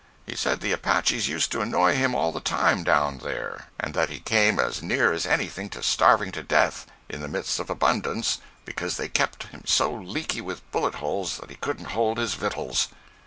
He said the Apaches used to annoy him all the time down there, and that he came as near as anything to starving to death in the midst of abundance, because they kept him so leaky with bullet holes that he "couldn't hold his vittles."